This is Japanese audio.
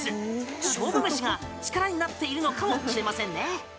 勝負飯が力になっているのかもしれませんね。